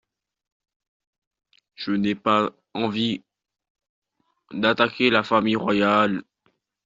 Je n’ai pas envie d’attaquer la famille royale.